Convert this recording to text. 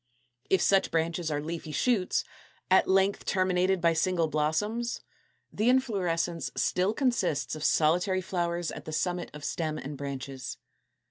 If such branches are leafy shoots, at length terminated by single blossoms, the inflorescence still consists of solitary flowers at the summit of stem and branches.